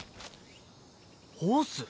ホース？